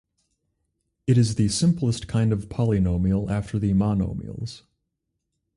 It is the simplest kind of polynomial after the monomials.